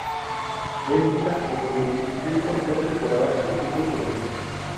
Benfica, en donde dirigió por dos temporadas al equipo juvenil.